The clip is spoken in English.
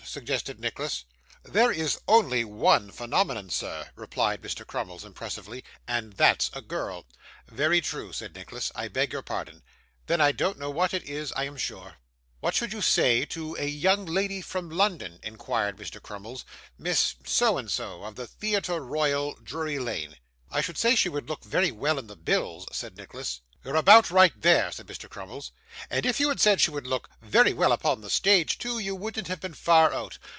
suggested Nicholas. 'There is only one phenomenon, sir,' replied Mr. Crummles impressively, 'and that's a girl.' 'Very true,' said Nicholas. 'I beg your pardon. Then I don't know what it is, I am sure.' 'What should you say to a young lady from London?' inquired Mr. Crummles. 'Miss So and so, of the Theatre Royal, Drury Lane?' 'I should say she would look very well in the bills,' said Nicholas. 'You're about right there,' said Mr. Crummles; 'and if you had said she would look very well upon the stage too, you wouldn't have been far out.